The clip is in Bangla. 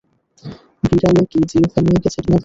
বিড়ালে কি জিহ্বা নিয়ে গেছে তোমাদের?